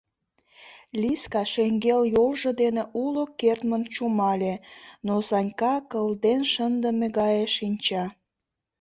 Лиска шеҥгел йолжо дене уло кертмын чумале, но Санька кылден шындыме гае шинча.